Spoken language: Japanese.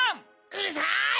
うるさい！